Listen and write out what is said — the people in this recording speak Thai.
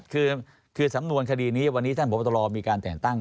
คือสำนวนคดีนี้วันนี้ท่านพบตรมีการแต่งตั้ง